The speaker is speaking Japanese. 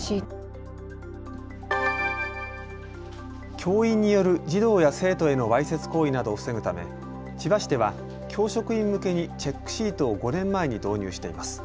教員による児童や生徒へのわいせつ行為などを防ぐため千葉市では教職員向けにチェックシートを５年前に導入しています。